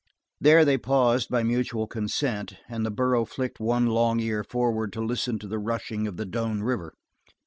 There they paused by mutual consent, and the burro flicked one long ear forward to listen to the rushing of the Doane River.